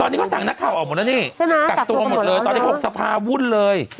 ตอนนี้เขาสั่งนักข่าวออกหมดแล้วนี่กักตัวหมดเลยตอนนี้เขาบอกสภาวุ่นเลย